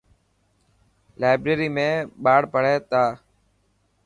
لائبريري ۾ ٻاڙ پڙهي تا.